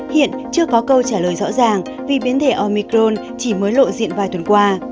hiện chưa có câu trả lời rõ ràng vì biến thể omicrone chỉ mới lộ diện vài tuần qua